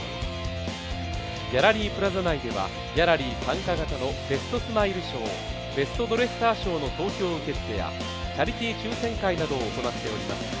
ギャラリープラザ内ではギャラリー参加型のベストスマイル賞ベストドレッサー賞の投票受付やチャリティー抽選会などを行っております。